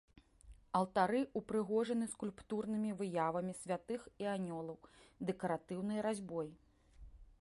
Алтары ўпрыгожаны скульптурнымі выявамі святых і анёлаў, дэкаратыўнай разьбой.